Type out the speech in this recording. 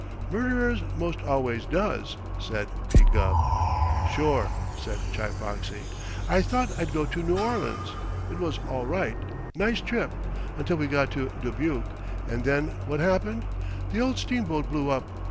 "Murderers 'most always does," said P. Gubb. "Sure!" said Chi Foxy. "I thought I'd go to New Orleans. It was all right nice trip until we got to Dubuque, and then what happened? The old steamboat blew up.